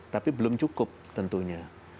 tapi belum cukup tentunya